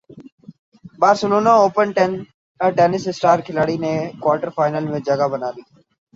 Barcelona open tennis star کھلاڑی نے quarter final میں جگہ بنا لی